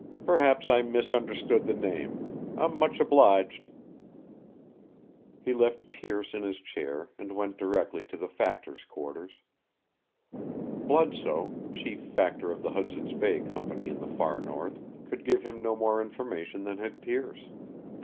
Perhaps I misunderstood the name. I'm much obliged." He left Pearce in his chair and went directly to the factor's quarters. Bludsoe, chief factor of the Hudson's Bay Company in the far north, could give him no more information than had Pearce.